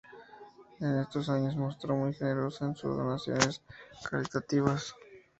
En estos años se mostró muy generosa en sus donaciones caritativas.